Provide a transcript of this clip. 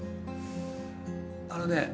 あのね